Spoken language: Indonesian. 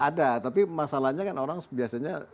ada tapi masalahnya kan orang biasanya